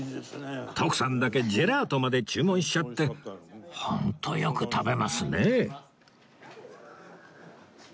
徳さんだけジェラートまで注文しちゃってホントよく食べますねえ